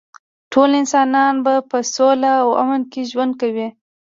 ټول انسانان به په سوله او امن کې ژوند کوي